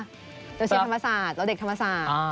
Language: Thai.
เชียร์ธรรมศาสตร์ตัวเด็กธรรมศาสตร์